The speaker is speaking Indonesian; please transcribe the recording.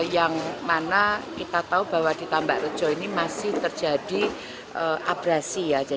yang mana kita tahu bahwa di tambak rejo ini masih terjadi abrasi ya